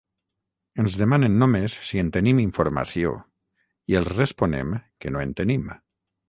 Ens demanen només si en tenim informació, i els responem que no en tenim.